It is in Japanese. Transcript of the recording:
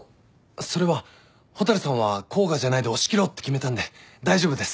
それは「蛍さんは甲賀じゃない」で押し切ろうって決めたんで大丈夫です。